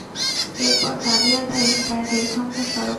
এরপর দাবি আদায়ে প্রায় দেড় ঘণ্টা সড়ক অবরোধ করে বিক্ষোভ করেন তাঁরা।